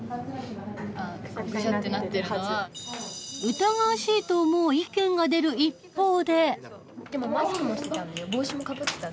疑わしいと思う意見が出る一方で。